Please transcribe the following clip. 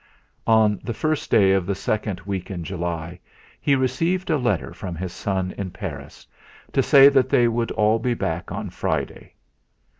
On the first day of the second week in July he received a letter from his son in Paris to say that they would all be back on Friday.